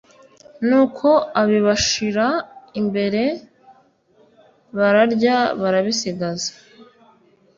Nuko abibashyira imbere bararya barabisigaza